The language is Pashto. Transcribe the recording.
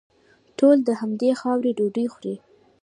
ټول د همدې خاورې ډوډۍ خوري.